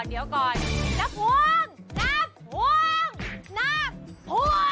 นับพ่วงนับพ่วงนับพ่วง